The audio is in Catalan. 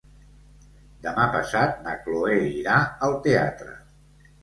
Demà passat na Cloè irà al teatre.